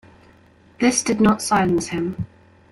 This did not silence him.